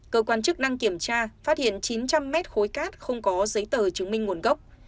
cơ quan chức năng kiểm tra phát hiện chín trăm linh mét khối cát không có giấy tờ chứng minh nguồn gốc